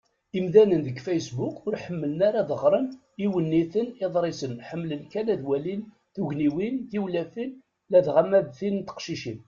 Imdanen deg Facebook ur ḥmmilen ara ad ɣren iwenniten, iḍrisen; ḥemmlen kan ad walin tugniwin, tiwlafin, ladɣa ma d tid n teqcicin.